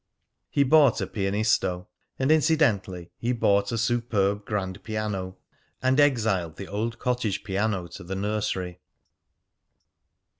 He bought a "Pianisto," and incidentally he bought a superb grand piano, and exiled the old cottage piano to the nursery.